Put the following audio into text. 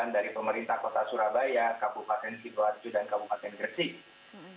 dari pemerintah kota surabaya kabupaten sidoarjo dan kabupaten gresik